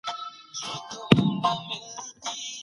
ولي محکمه په نړیواله کچه ارزښت لري؟